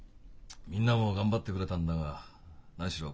みんなも頑張ってくれたんだが何しろ